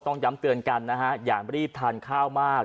ต้องย้ำเตือนกันอย่ารีบทานข้าวมาก